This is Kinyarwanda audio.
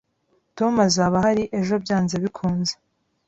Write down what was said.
Tom azaba ahari ejo byanze bikunze